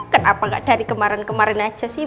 kenapa nggak dari kemarin kemarin aja sih